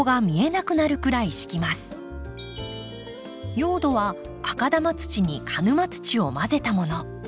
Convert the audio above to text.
用土は赤玉土に鹿沼土を混ぜたもの。